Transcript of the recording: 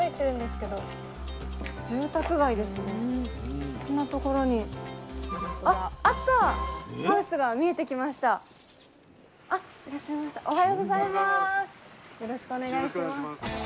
よろしくお願いします。